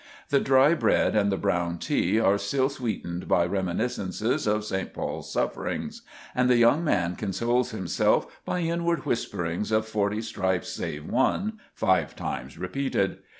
The dry bread and the brown tea are still sweetened by reminiscences of St. Paul's sufferings, and the young man consoles himself by inward whisperings of forty stripes save one five times repeated.